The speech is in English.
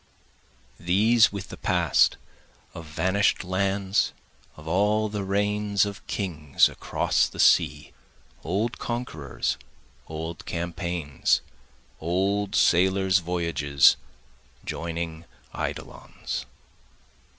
These with the past, Of vanish'd lands, of all the reigns of kings across the sea, Old conquerors, old campaigns, old sailors' voyages, Joining eidolons.